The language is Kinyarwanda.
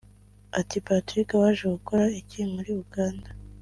ati “Patrick waje gukora iki muri Uganda